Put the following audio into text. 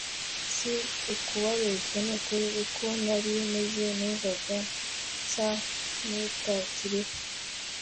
Si ukubabeshya nukuri uko nari meze numvaga nsa nutakiriho